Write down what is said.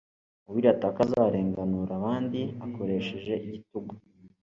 uwirata ko azarenganura abandi akoresheje igitugu